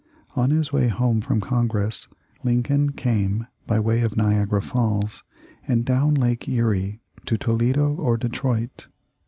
On his way home from Congress Lincoln came by way of Niagara Falls and down Lake Erie to Toledo or Detroit.